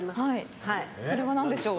それは何でしょう？